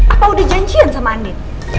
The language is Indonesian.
apa udah janjian sama andi